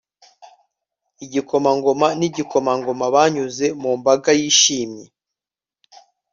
igikomangoma nigikomangoma banyuze mu mbaga yishimye